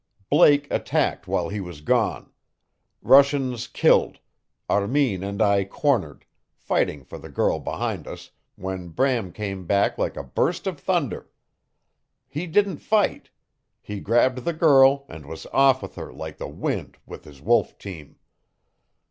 Blake attacked while he was gone. Russians killed Armin and I cornered, fighting for the girl behind us, when Bram came back like a burst of thunder. He didn't fight. He grabbed the girl, and was off with her like the wind with his wolf team.